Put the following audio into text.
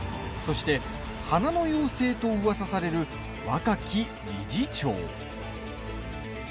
そして、花の妖精とうわさされる若き理事長。